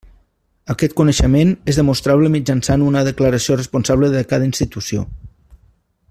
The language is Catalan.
Aquest coneixement és demostrable mitjançant una declaració responsable per cada institució.